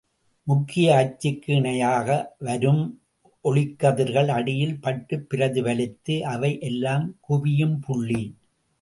முக்கிய அச்சுக்கு இணையாக வரும் ஒளிக்கதிர்கள் அடியில் பட்டுப் பிரதிபலித்து, அவை எல்லாம் குவியும் புள்ளி.